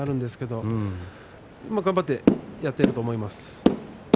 でも頑張ってやってると思います。